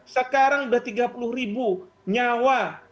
sekarang sudah tiga puluh ribu nyawa